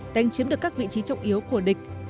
đánh chiếm được các vị trí trọng yếu của địch